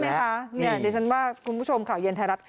ไหมคะเนี่ยดิฉันว่าคุณผู้ชมข่าวเย็นไทยรัฐ